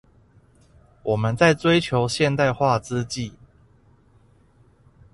我們在追求現代化之際